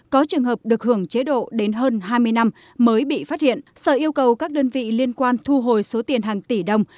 có trường hợp được hưởng chế độ đến hơn hai mươi năm mới bị phát hiện sở yêu cầu các đơn vị liên quan thu hồi số tiền hàng tỷ đồng